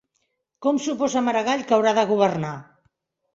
Com suposa Maragall que haurà de governar?